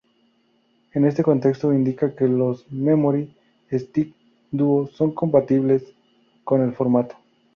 En este contexto indica que los Memory Stick Duo son compatibles con el formato.